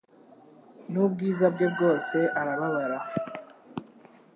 N'ubwiza bwe bwose arababara